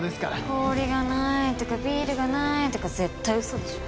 氷がないとかビールがないとか絶対嘘でしょ。